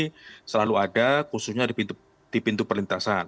jadi selalu ada khususnya di pintu perlintasan